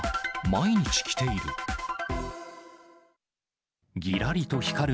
毎日来ている。